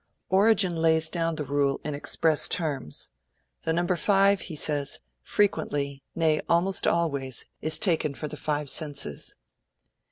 Origen lays down the rule in express terms. '"The number five,"' he says, '"frequently, nay almost always, is taken for the five senses."'